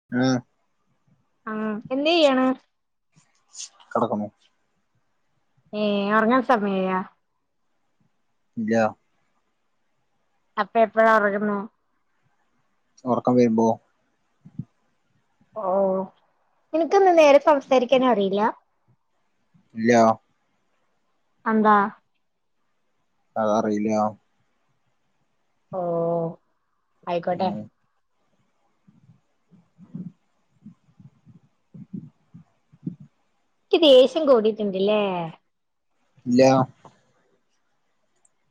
[unintelligible] ആഹ് എന്തെയ്യണ്? കെടക്കുന്നു. ഏഹ് ഒറങ്ങാൻ സമയായോ? ഇല്ലാ അപ്പ എപ്പഴാ ഒറങ്ങ്ന്ന്? ഒറക്കം വരുമ്പോ ഓഹ് ഇൻക്കെന്താ നേരെ സംസാരിക്കാനറിയില്ലാ? ഇല്ലാ അതെന്താ? അതറിയില്ലാ ഓഹ് അയിക്കോട്ടെ. ഉം ഇക്ക്‌ ദേഷ്യം കൂടീട്ട്ണ്ട്ലേ ഇല്ല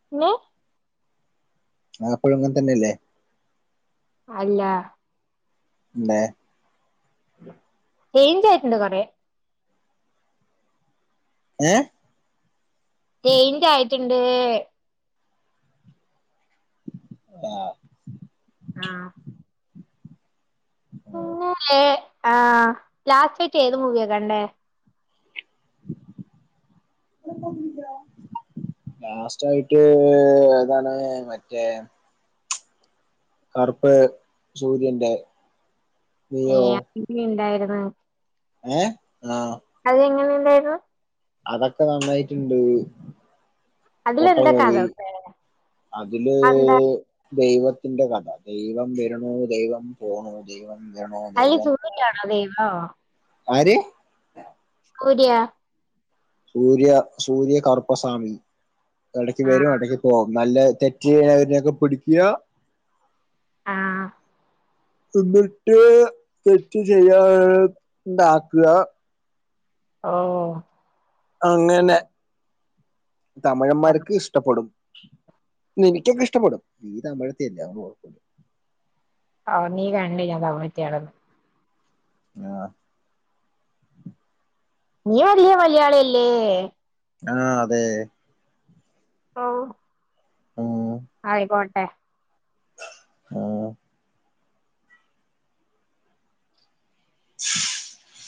[unintelligible] ഞാൻ എപ്പഴും ഇങ്ങൻ തന്നെയല്ലേ അല്ല ന്നേ ചെയിഞ്ചായിട്ടുണ്ട് കൊറെ ഏഹ് ചെയ്ഞ്ചായിട്ട് ഇണ്ട് ആഹ് ആഹ് മ്മ് [unintelligible] ആഹ് ലാസ്റ്റായിട്ട് ഏത് മൂവിയാ കണ്ടേ ലാസ്റ്റായിട്ട് ഏതാണ് മറ്റേ കറുപ്പ് സൂര്യന്റെ നീയോ നീ ഇണ്ടായിരുന്നോ ഏഹ് ആഹ് അത് എങ്ങനെ ഇണ്ടാരുന്നു അതൊക്ക നന്നായിട്ടുണ്ട് പൊട്ട അതിലെന്താ കഥ മൂവി അതില് അതെന്താ ദൈവത്തിന്റെ കഥ ദൈവം വര്ണു ദൈവം പോണു ദൈവം വേണോ അതില് ദൈവം ഓഹ് സൂര്യയാണോ ദൈവം ആര് സൂര്യാ സൂര്യാ സൂര്യ കറുപ്പസ്വാമി എടക്ക് വരും ആഹ് എടക്ക് പോവും നല്ല തെ റ്റ് ചെയ്യ്ണവരെയൊക്കെ പിടിക്ക്യാ ആഹ് എന്നിട്ട് തെറ്റ് ചെയ്യാണ്ടാക്കാ ഓഹ് അങ്ങനെ ആ തമിഴന്മാർക്ക് ഇഷ് ടപ്പെടും നിനക്ക്യൊക്കെ ഇഷ്ടപ്പെടും നീ തമിഴത്തിയല്ലേ അവോണ്ട് കൊഴപ്പല്ല ആഹ് നീ കണ്ട് ഞാൻ തമിഴത്തിയാണെന്ന് ആഹ് നീ വല്ല്യ മലയാളിയല്ലേ ആഹ് അതെ ഓഹ് ഉം ആയിക്കോട്ടെ ഉം [unintelligible]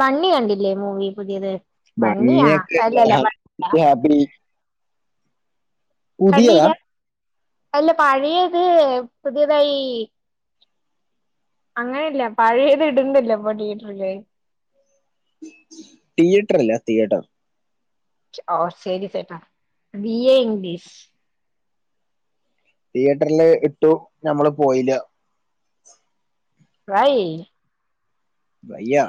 ബണ്ണി കണ്ടില്ലേ മൂവി പുതിയത് ബണ്ണിയാ ബണ്ണിയൊക്കെ അല്ലല്ല ബണ്ണിയാ [unintelligible] പുതിയതാ കണ്ടീല്ലാ അല്ല പഴയത് പുതിയതായി അങ്ങനെയല്ല പഴയെത് ഇടുന്നില്ലെ ഇപ്പൊ ടിയേറ്ററ്ല് ടിയേറ്റർ അല്ല തിയേറ്റർ ഓഹ് ശരിസേട്ടാ ബി എ ഇംഗ്ലീഷ് തിയേട്ടർല് ഇട്ടു ഞമ്മള് പോയില്ല വൈ? വയ്യാ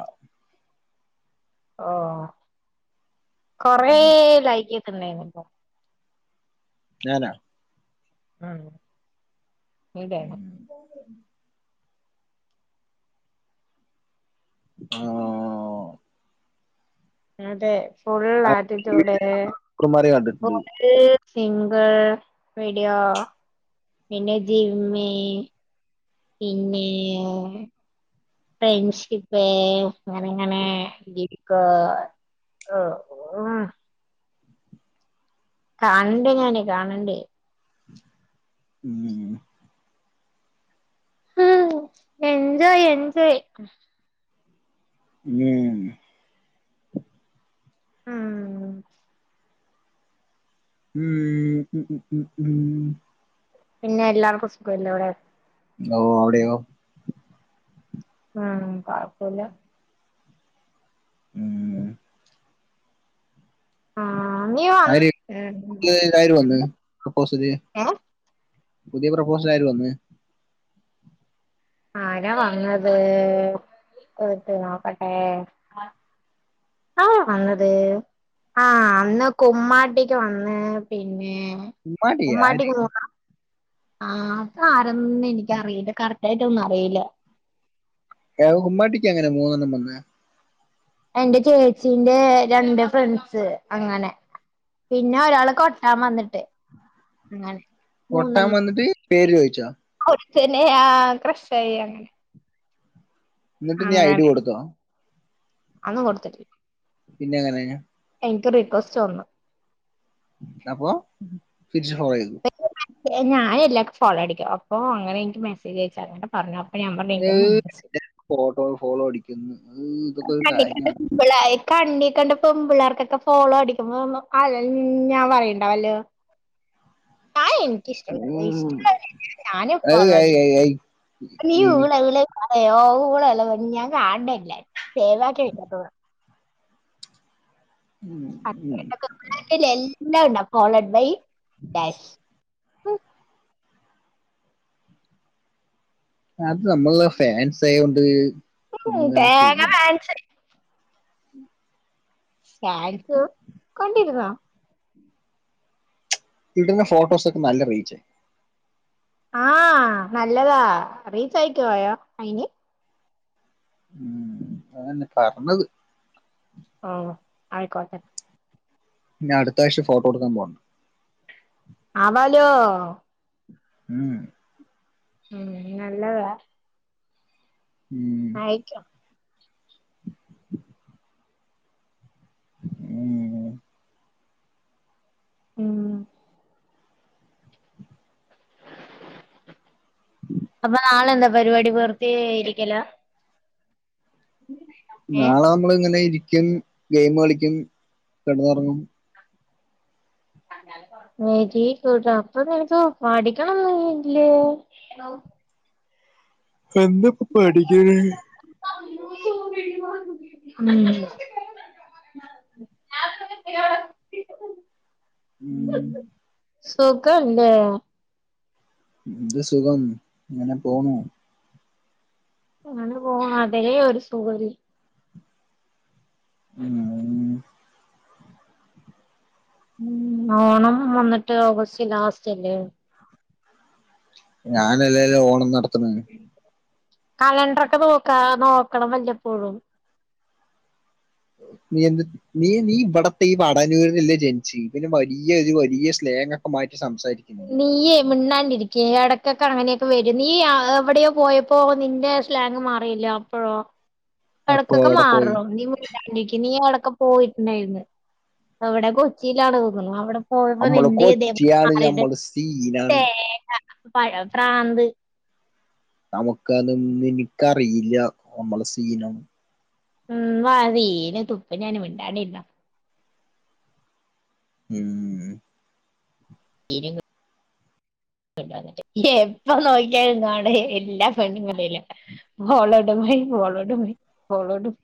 ഓഹ് കൊറേ ഉം ലൈക്ക്യക്കെ ഇണ്ടായിനല്ലോ ഞാനാ ഉം [unintelligible] വേണോ [unintelligible] ആഹ് അതെ ആഹ് ഫുള്ളാറ്റിറ്റ്യൂഡരേ കുമാരി കണ്ടിട്ടുണ്ട് ഫുൾ സിംഗ്ൾ വീഡിയൊ പിന്നെജിമ്മ് പിന്നെ ഫ്രണ്ട്ഷിപ്പ് അങ്ങനങ്ങനെ [unintelligible] [unintelligible] കാണണ്ടേഞാനേ കാണണ്ടേ? [inaudible] [unintelligible] [unintelligible] [inaudible] ഉം ഉഹ് ഉം ഉം ഉം പിന്നെഎല്ലാർക്കും സുഖല്ലവ്ടെ? ഓ അവിടെയോ? ഉം കൊഴപ്പൊല്ല ഉംഹ് ആഹ് നീ വന്ന് ആര് [unintelligible] വന്ന് [unintelligible] ഏഹ് പുതിയ പ്രൊപ്പോസ്സലാര് വന്ന് ആരാവന്നത് നോക്കട്ടെ ആവന്നത് ആഹ് അന്ന്കുമ്മാട്ടിക്ക് വന്ന്പിന്നെ കുമ്മട്ടിയൊആര്? ആഹ ആരെന്നും എനിക്കറിയില്ല കറക്റ്റ്ആയിട്ടൊന്നഅറിയില ഏഹുമ്മാട്ടിക്കെങ്ങനെമൂന്നെണ്ണം വെന്നെ എന്റെ ചേച്ചീന്റെ രണ്ട്ഫ്രണ്ട്സ് അങ്ങനെ. പിന്നെ ഒരാള് കൊട്ടാൻവന്ന്ട്ട് കൊട്ടാംവന്ന്ട്ട് പേര് ചോദിച്ചോ? കൊച്ചനെ ആ ക്രാഷായിങ്ങനെ എന്നിട്ട് നീ ഐഡികൊടുത്തോ? അത് കൊട്ത്തില്ല പിന്നെ എങ്ങനെയാ? എനിക്ക് റിക്വസ്റ്റ് വന്നു എന്ന പോവാ തിരിച്ച്ഫോളോയ്തു ഞാനാല്ലാവർക്കും ഫോളോടിക്കും അപ്പോ അങ്ങനെ എനിക്ക് മെസേജ് അയച്ച പറഞ്ഞു പറ്ഞ്ഞു [unintelligible] ഫോട്ടോ ഫോളോഅടിക്കുന്നു ഉംഹ് ഇതൊക്കെരുകാര്യണ് കണ്ണികണ്ട പെമ്മ്പിള്ളേർക്കൊക്കെ ഫോളോഅടിക്കുമ്പോ അഴഞ്ഞാൻ പറയണ്ടാവല്ലോ ആഎൻക്കിഷ്ടമുള്ളത് ഉം. [unintelligible] ഏയ് ഏയ് ഞാനുംഫോളോടിക്കും ഏയ് ഏയ് നീ ഊള അല്ലേൽ പറയോ ഊള അല്ലെന്നു ഞാൻ കാണണല്ലേ സേവാക്കി വെക്കാത്തതാ ഉം. [unintelligible] എല്ലാം ണ്ടാവും ഫോളോഡ് ബൈ ഡാഷ് അത് നമ്മള്ളെഫാൻസ്ആയൊണ്ട് ഉഹും തേങ്ങഫാൻസ്‌ ഫാരിസുംകൊണ്ടിരുന്നോ ഇടുന്നഫോട്ടോസൊക്കെനല്ലറീച്ച് ആഹ് നല്ലതാ റീച്ചയക്കൊഅയിന് ഉം അതന്നെപറണത് ഓഹ് ആയിക്കോട്ടെ ഇനി അടതാഴ്‌ച ഫോട്ടോ എടുക്കാൻ പോണം ആവാലോ ആഹ് ആഹ് നല്ലതാ ഉം ആയിക്കോ [inaudible] ഉം ഉം അപ്പ നാളെന്താ പരിപാടി ബെർതെ ഇരിക്കല [unintelligible] നാളെ നമ്മള് ഇങ്ങനെ ഇരിക്കും ഗെയിം കളിക്കും കെടന്നൊറങ്ങും വെരിഗുഡ് അപ്പോ നിനക്ക് പഠിക്കാണൊ ഒന്നുല്ലേ. എന്താപ്പപഠിക്ക ഉം [unintelligible] ഉം ആഹ് സുഖല്ലേ എന്ത് സുഖം ഇങ്ങനെ പോണു ഇങ്ങനെ പോണതെ ഒരു സുഖലെ ഉം ഉം ഓണം വന്നിട്ട് ഓഗസ്റ്റ് ലാസ്റ്റല്ലേ ഞാനല്ലല്ലോ ഓണം നടത്തുന്നത് കാലൻഡ്രോക്കെ നോക്കാ നോക്കണം വല്ലപ്പോഴും നീ എന്ത് നീ നീ ഇവിടത്തെ ഈ വടനൂരിനല്ലേ ജനിച്ച് പിന്നെ വലിയ ഒരു വലിയ സ്ലേങ്ങോക്കെ മാറ്റി സംസാരിക്കുന്ന് നീയേമിന്നാണ്ടിരിക്കെ എടയ്ക്കൊക്കെ അങ്ങനെയൊക്കെ വരും നീ എവിടെയോ പോയ പ്പൊ നിന്റെ സ്ലാങ്ങ് മാറില്ലേ അപ്പോഴോ അപ്പൊ എടക്കൊക്കെ അവിടെ പോയി മാറും നീമു ണ്ടാണ്ടരിക്ക് നീ അവിടൊക്കെ പോയിട്ടുണ്ടായിന്ന് അവിടെ കൊച്ചിയിലാണ് തോന്നണു അവിടെ പോയപ്പോ നമ്മള് നിന്റെ ഇതേപോലെ കൊച്ചിയാണ് നമ്മള് സീനാണ് പഴേ പ്രാന്ത് നമുക്ക് അത് ഒന്നും ഇനിക്കറിയില്ല നമ്മള് സീന ഉം സീന് തുപ്പും ഞാൻ മിണ്ടാണ്ടിരുന്നോ ആഹ് ഇനികി എപ്പോനോക്കിയാലും കാണേ എല്ലാ പെണ്ണ്ങ്ങളേയില followed by followed by followed by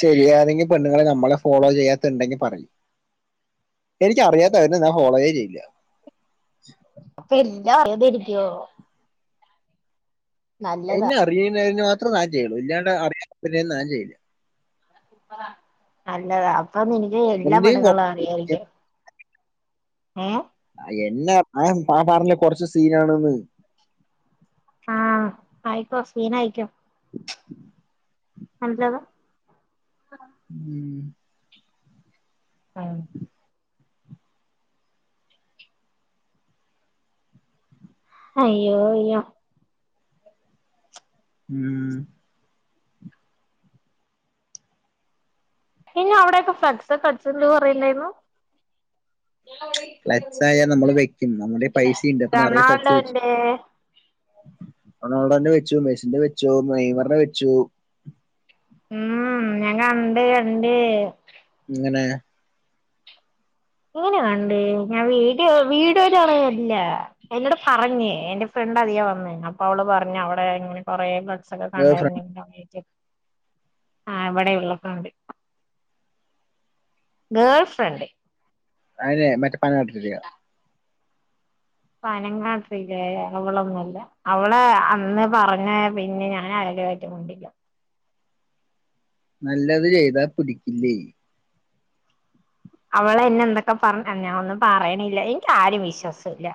ശെരിയാ ഏതെങ്കി പെണ്ണുങ്ങള് നമ്മളെ ഫോളോ ചെയ്യാത്തുണ്ടെങ്കി പറയ് എനികറിയാത്തവനെ ഞാൻ ഫോളൊവെ ചെയില്ല അപ്പൊ എല്ലാം അറിയാതിരിക്കോ നല്ലതാ എന്നെ അറിയുന്നതിന് മാത്രം ഞാൻ ചെയ്യുള്ളൂ ഇല്ലാണ്ട് അറിയാത്തതിന് ഞാൻ ചെയ്യില്ല അല്ല ഇത്പ്പ നിനിക്ക് എല്ലാ ഒന്നേ പെണുങ്ങളെ അറിയായിരിക്കും ഏഹ് എന്നാ ആഹ് പറാഞ്ഞില്ല കൊറച്ച് സീനാണന്ന് ആഹ് ആയിക്കോ സീനയിക്കോ നല്ലതാ ഉം ആഹ് അയ്യോയ്യോ ഉം ഇന്നെ അവിടെയൊക്കെ ഫ്ലക്സൊക്കെ അട്ച്ചുണ്ട് പറയിണ്ടേന്നു. ഫ്ലക്സ് ആയാൽ നമ്മൾ വെക്കും നമ്മുടെ പൈസ ഉണ്ട് അപ്പൊ നിറയെ റൊണാൾട. ഉണ്ട്. റെണാൾഡേന്റെ വെച്ചു, മെസ്സിന്റെ വെച്ചു, നെയ്മറിന്റെ വെച്ചു. ഉം ഞാൻ കണ്ടേ, കണ്ടേ. എങ്ങനെ? എങ്ങനെ കണ്ടേ ഞാൻ വീഡിയോ വീഡിയോലു അവള് വരില്ല. എന്നോട് പറഞ്ഞ്. എന്റെ ഫ്രണ്ട് അതിലേ വന്നേ. അപ്പ അവള് പറഞ്ഞ് അവടെ ഇങ്ങനെ. കൊറെ ഫ്ലക്ക്സ് ഒക്കെ കണ്ടായിരുന്നു ഫ്രണ്ട് [unintelligible] ആഹ് ഇവിടെ ഉള്ളൊക്കെ ഉണ്ട്. Girlfriend. അയിനേ മെറ്റ് [unintelligible] പനങ്ങാട്ടില്ലേ, അവളൊന്നും അല്ല. അവളെ അന്ന് പറഞ്ഞ് പിന്നെ ഞാൻ അയാളു ആയിട്ട് മുണ്ടില്ല. നല്ലെത് ചെയ്താ പിടിക്കില്ലേ. അവള് എന്നെ എന്തൊക്കെ പറഞ്ഞു ഞാൻ ഒന്നും പറയണില്ല എനിക്ക് ആരിം വിശ്വാസില്ല.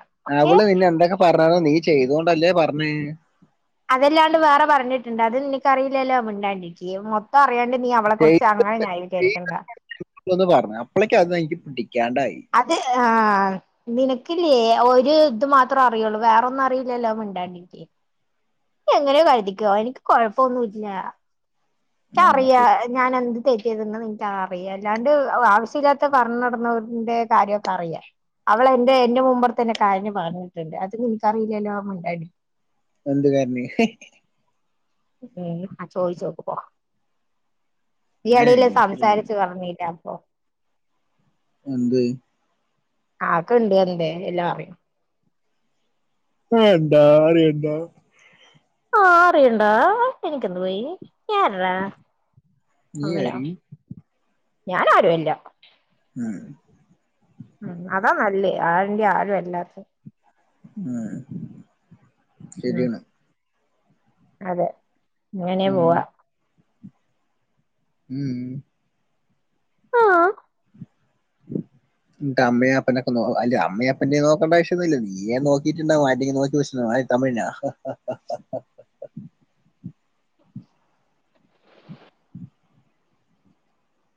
അവള് നിന്നെ എന്തൊക്കെ പറഞ്ഞാലും നീ ചെയ്തോണ്ടല്ലേ പറഞ്ഞേ. അതല്ലാണ്ട് വേറെ പറഞ്ഞ്ട്ട്ണ്ട് അത് നിനക്കറിയില്ലല്ലോ മിണ്ടാണ്ടിരിക്ക് മൊ ഇപ്പ അറിയാണ്ട് നീ അവളെക്കുറിച്ച് അങ്ങനെ ന്യായീകരികണ്ട. ള്ളൊന്ന് പറഞ്ഞു. അപ്പോളേക്ക് അത് എനിക്ക് പിടിക്കാണ്ടായി. അത് ആഹ് നിനക്കില്ലേ ഒര് ഇത് മാത്രേ അറിയുള്ളൂ വേറൊന്നും അറിയില്ലല്ലോ മിണ്ടാണ്ടിരിക്ക്. നീ എങ്ങനെയോ കരുതിക്കോ. എനിക്ക് കൊഴപ്പൊന്നും ഇല്ല. ആ എനിക്കറിയ. ശരി ഞാന് എന്ത് തെറ്റിയ്തെന്ന് നിനക്ക് അറിയാ അല്ലാണ്ട് ആവശ്യല്ലാത്ത പറഞ്ഞു നടന്നവന്റെ കാര്യോക്കെ അറിയാ. അവള് എന്റെ എന്റെ മുമ്പർത്തന്നെ കരഞ്ഞു പറഞ്ഞിട്ട്ണ്ട്, അത് നിനിക്കറിയിലല്ലോ മിണ്ടാണ്ടിരി. എന്ത് കരഞ്ഞ്? ഉം ആഹ് ചോയിച്ചോക്ക് പോ ഈ പിന്നെ എടേല് എനിക്ക് സംസാരിച്ചു. പറഞ്ഞില്ലാ, അപ്പൊ. എന്ത്? ആക്കണ്ട് പറഞ്ഞിട്ട് ണ്ടെ, എല്ലാം അറിയാം. ആഹ് എന്താ അറിയന്താ. ആഹ് അറിയണ്ടാ. എനിക്കെന്തു പോയി. ഞാൻല്ല നീ ഒന്നുല്ല ആരി ഞാന് ആരുഅല്ല. ഉം ഉം, അതാ നല്ലേ ആരിന്റെ ആരു അല്ലാത്ത് ഉം ഉം ശെരിയണ് അതെ, ഇങ്ങനേ ഉം, പോവാ. ഉം ആഹ്. നിന്റെ അമ്മയെ അപ്പനെക്കെ നോ. അല്ലാ അമ്മയപ്പെന്റെ നോക്കണ്ടാവശ്യമൊന്നുല്ല. നീയേ നോക്കിട്ടുണ്ടാവും. ആരുടേലും നോക്കി വെച്ചിട്ടുണ്ടാവും. ആഹ് തമിഴിനോ?